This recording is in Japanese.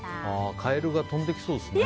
カエルが跳んできそうですね。